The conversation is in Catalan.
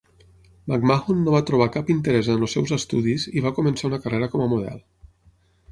McMahon no va trobar cap interès en els seus estudis i va començar una carrera com a model.